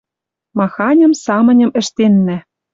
Маханьым самыньым ӹштеннӓ.